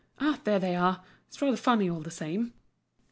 Ah, there they are. It's rather funny, all the same."